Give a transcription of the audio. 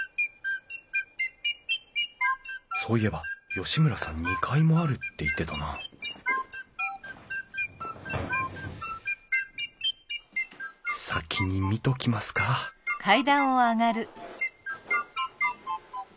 そういえば吉村さん２階もあるって言ってたな先に見ときますかあれ？